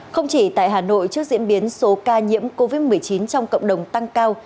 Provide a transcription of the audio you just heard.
không chỉ tại hà nội trước diễn biến số ca nhiễm covid một mươi chín trong cộng đồng tăng cao